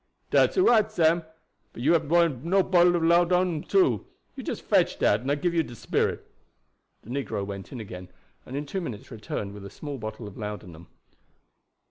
"Dat's all right, Sam; but you hab no brought de bottle of laudabun too. You just fetch dat, and I gib you de spirit." The negro went in again, and in two minutes returned with a small bottle of laudanum.